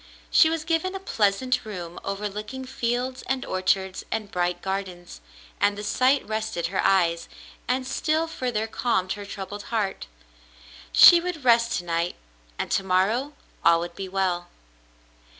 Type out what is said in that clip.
She was given a pleasant room overlooking fields and orchards and bright gardens, and the sight rested her eyes, and still further calmed her troubled heart. She would rest to night, and to morrow all would be well.